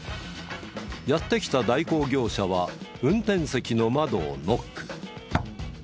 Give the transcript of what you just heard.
やって来た代行業者は運転席の窓をノック。